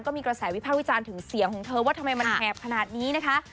ก็มีกระแสวิภาควิจารณ์ถึงเสียงของเธอว่าทำไมมันแหบขนาดนี้นะคะ